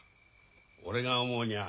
俺が思うにゃ